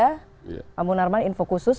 pak munarman info khusus